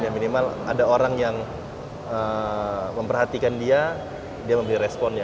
yang minimal ada orang yang memperhatikan dia dia memiliki respon